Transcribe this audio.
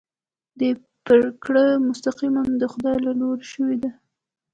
دې پرېکړه مستقیماً د خدای له لوري شوې ده.